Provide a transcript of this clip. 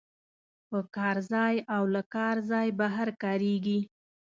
په کار ځای او له کار ځای بهر کاریږي.